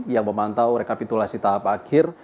yang memantau rekapitulasi tahap akhir